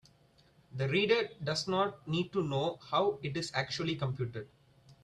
The reader does not need to know how it is actually computed.